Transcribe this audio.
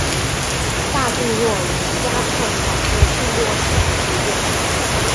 大杜若为鸭跖草科杜若属的植物。